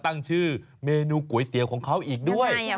ตั้งชื่อเมนูก๋วยเตี๋ยวของเขาอีกด้วย